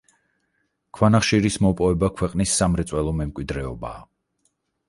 ქვანახშირის მოპოვება ქვეყნის სამრეწველო მემკვიდრეობაა.